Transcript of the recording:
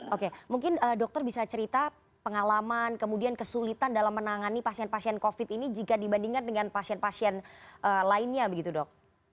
oke mungkin dokter bisa cerita pengalaman kemudian kesulitan dalam menangani pasien pasien covid ini jika dibandingkan dengan pasien pasien lainnya begitu dok